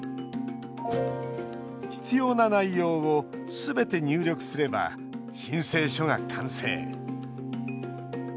必要な内容をすべて入力すれば申請書が完成。